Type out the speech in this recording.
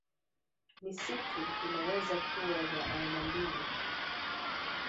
Misitu inaweza kuwa ya aina mbili